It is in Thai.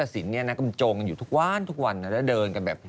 สมรรดา